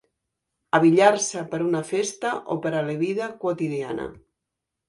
Abillar-se per a una festa o per a la vida quotidiana.